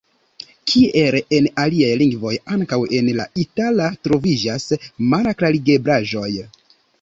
Kiel en aliaj lingvoj, ankaŭ en la itala troviĝas malklarigeblaĵoj.